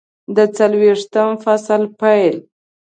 د څلویښتم فصل پیل